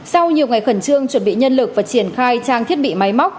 sau nhiều ngày khẩn trương chuẩn bị nhân lực và triển khai trang thiết bị máy móc